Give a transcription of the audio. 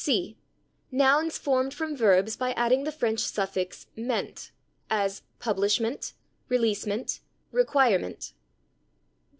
c. Nouns formed from verbs by adding the French suffix / ment/, as /publishment/, /releasement/, /requirement